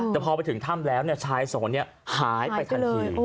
แต่พอไปถึงถ้ำแล้วเนี่ยชายสองเนี่ยหายไปทันที